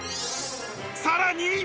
さらに。